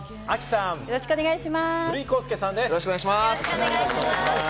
よろしくお願いします。